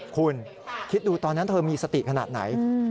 คุณคิดดูตอนนั้นเธอมีสติขนาดไหน